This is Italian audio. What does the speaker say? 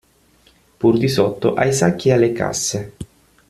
Pur di sotto ai sacchi e alle casse.